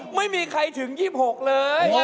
ไม่มีใครถึง๒๖เลย